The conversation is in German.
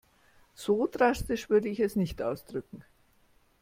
So drastisch würde ich es nicht ausdrücken.